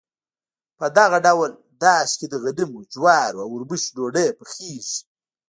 په دغه ډول داش کې د غنمو، جوارو او اوربشو ډوډۍ پخیږي.